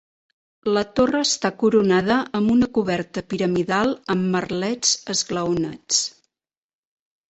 La torre està coronada amb una coberta piramidal amb merlets esglaonats.